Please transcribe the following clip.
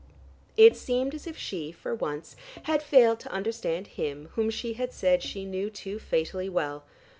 It seemed as if she, for once, had failed to understand him whom she had said she knew too fatally well.